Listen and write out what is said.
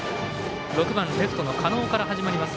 ６番、レフトの狩野から始まります。